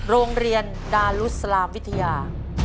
โรงเรียนดารุสลามวิทยา